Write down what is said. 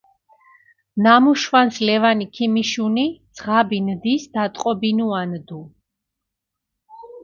ნამუ შვანს ლევანი ქიმიშუნი, ძღაბი ნდის დატყობინუანდუ.